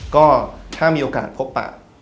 ก็ถ้ามีโอกาสพบปะ